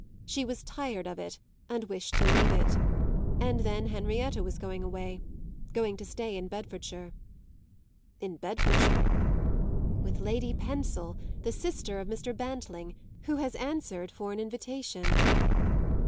She was tired of it and wished to leave it; and then Henrietta was going away going to stay in Bedfordshire. "In Bedfordshire?" "With Lady Pensil, the sister of Mr. Bantling, who has answered for an invitation."